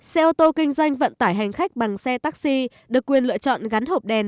xe ô tô kinh doanh vận tải hành khách bằng xe taxi được quyền lựa chọn gắn hộp đèn